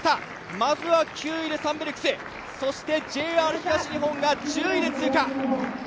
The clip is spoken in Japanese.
まずは９位でサンベルクス、ＪＲ東日本が１０位で通過。